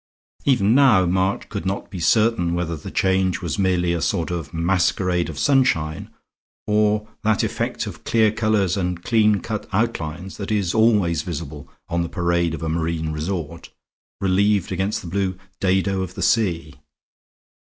Even now March could not be certain whether the change was merely a sort of masquerade of sunshine, or that effect of clear colors and clean cut outlines that is always visible on the parade of a marine resort, relieved against the blue dado of the sea.